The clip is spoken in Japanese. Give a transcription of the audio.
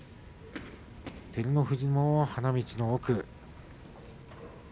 照ノ富士も花道の奥。